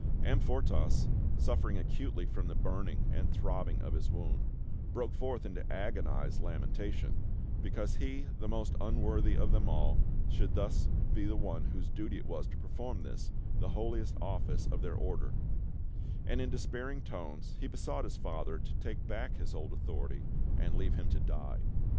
Amfortas, suffering acutely from the burning and throbbing of his wound, broke forth into agonised lamentation, because he, the most unworthy of them all, should thus be the one whose duty it was to perform this, the holiest office of their order; and in despairing tones, he besought his father to take back his old authority and leave him to die.